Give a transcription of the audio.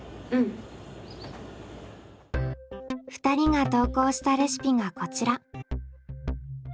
２人が投稿したレシピがこちら。